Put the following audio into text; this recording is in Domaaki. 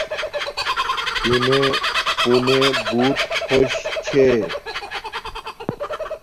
چونے پُونے بوت خوش چھے